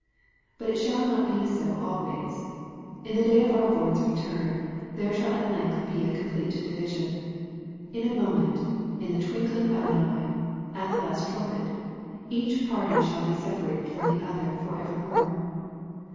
But it shall not be so always. In the day of our Lord's re turn, there shall at length be a complete division. In a moment, in the twinkling of an eye. at the last trumpet, each party shall be separated from the other for ever more.